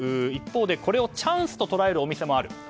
一方でチャンスと捉えるお店もある。